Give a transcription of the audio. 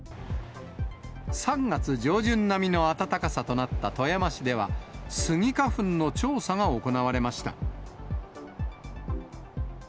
３月上旬並みの暖かさとなった富山市では、スギ花粉の調査が行われました。